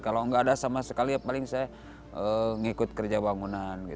kalau nggak ada sama sekali ya paling saya ngikut kerja bangunan